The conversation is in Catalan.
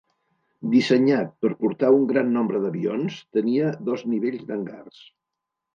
Dissenyat per portar un gran nombre d'avions, tenia dos nivells d'hangars.